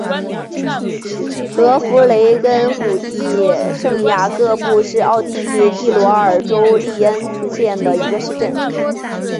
德弗雷根谷地圣雅各布是奥地利蒂罗尔州利恩茨县的一个市镇。